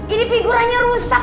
ini figuranya rusak